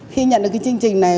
khi nhận được cái chương trình này